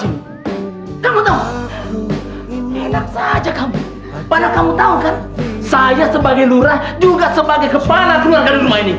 kamu tahu enak saja kamu pada kamu tahu kan saya sebagai lurah juga sebagai kepala keluarga di rumah ini